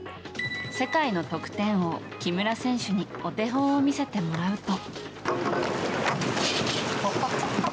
世界の得点王・木村選手にお手本を見せてもらうと。